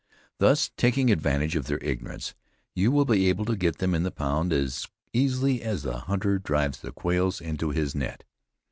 Thus taking advantage of their ignorance, you will be able to get them in the pound as easily as the hunter drives the quails into his net.